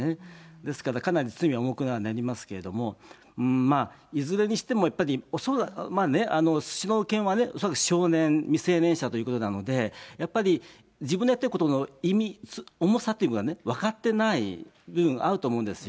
ですから、かなり罪は重くはなりますけれども、まあ、いずれにしても、やっぱり、まあね、スシローの件はね、恐らく少年、未成年者ということなので、やっぱり自分のやってることの意味、重さっていうものが分かってない部分があると思うんですよ。